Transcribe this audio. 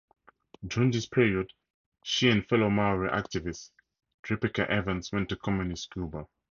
During this period she and fellow Maori activist Ripeka Evans went to Communist Cuba.